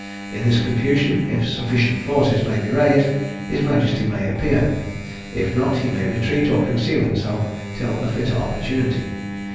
In this confusion, if sufficient forces may be raised, his majesty may appear; if not, he may retreat or conceal himself till a fitter opportunity.